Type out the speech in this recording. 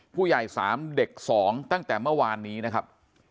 ผู้ใหญ่๓เด็ก๒ตั้งแต่เมื่อวานนี้นะครับ